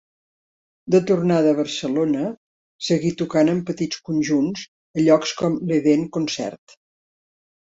De tornada a Barcelona, seguí tocant en petits conjunts a llocs com l'Edèn Concert.